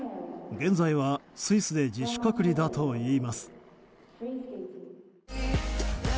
現在はスイスで自主隔離だといいます。